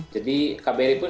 jadi kbr pun